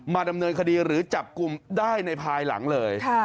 ดำเนินคดีหรือจับกลุ่มได้ในภายหลังเลย